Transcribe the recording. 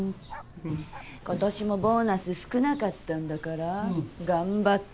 ことしもボーナス少なかったんだから頑張って。